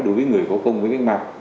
đối với người có công với cách mạng